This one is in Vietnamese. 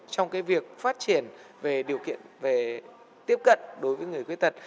trong việc phát triển về điều kiện về tiếp cận đối với người khuyết tật